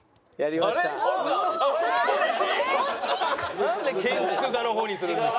なんで建築家の方にするんですか。